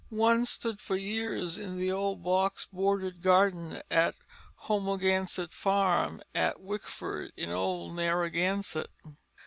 One stood for years in the old box bordered garden at Homogansett Farm, at Wickford, in old Narragansett.